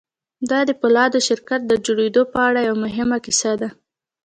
دا د پولادو شرکت د جوړېدو په اړه یوه مهمه کیسه ده